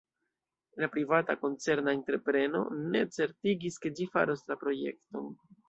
La privata koncerna entrepreno ne certigis, ke ĝi faros la projekton.